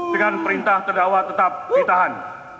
dengan perintah terdakwa tetap ditahan